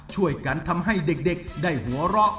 ช่วยกันทำให้เด็กได้หัวเราะ